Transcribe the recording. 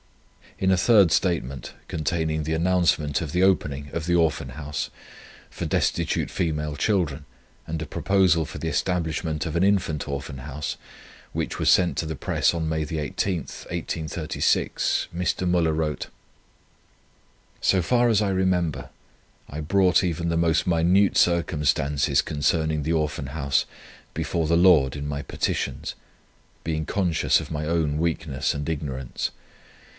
In a third statement, containing the announcement of the opening of the Orphan House, for destitute female children, and a proposal for the establishment of an Infant Orphan House, which was sent to the press on May 18, 1836, Mr. Müller wrote: "So far as I remember, I brought even the most minute circumstances concerning the Orphan House before the Lord in my petitions, being conscious of my own weakness and ignorance.